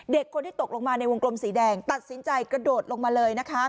คนที่ตกลงมาในวงกลมสีแดงตัดสินใจกระโดดลงมาเลยนะคะ